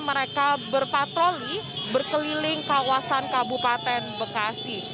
mereka berpatroli berkeliling kawasan kabupaten bekasi